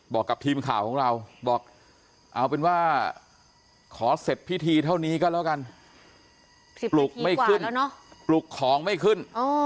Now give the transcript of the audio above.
บอกกับทีมข่าวของเราบอกเอาเป็นว่าขอเสร็จพิธีเท่านี้ก็แล้วกันปลุกไม่ขึ้นปลุกของไม่ขึ้น